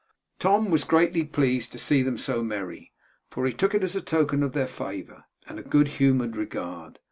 Tom was greatly pleased to see them so merry, for he took it as a token of their favour, and good humoured regard.